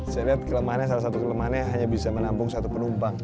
saya lihat kelemahannya salah satu kelemahannya hanya bisa menampung satu penumpang